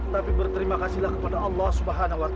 tapi berterima kasihlah kepada allah swt